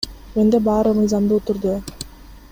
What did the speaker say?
Менде баары мыйзамдуу түрдө.